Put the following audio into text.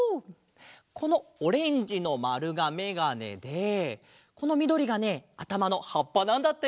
このオレンジのまるがめがねでこのみどりがねあたまのはっぱなんだって！